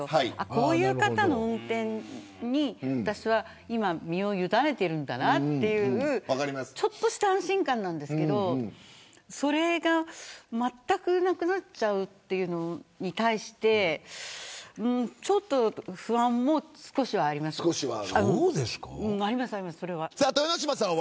こういう方の運転に私は今、身を委ねているんだなというちょっとした安心感なんですけどそれがまったくなくなっちゃうということに対して豊ノ島さんはいかがですか。